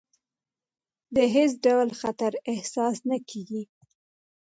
د هېڅ ډول خطر احساس نه کېږي.